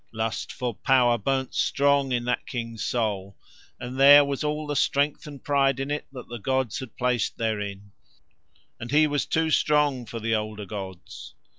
Lust for power burned strong in that King's soul, and there was all the strength and pride in it that the gods had placed therein, and he was too strong for the Older gods.